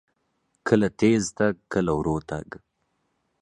کله تیز تګ، کله ورو تګ.